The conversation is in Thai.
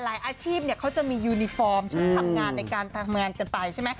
อาชีพเขาจะมียูนิฟอร์มชุดทำงานในการทำงานกันไปใช่ไหม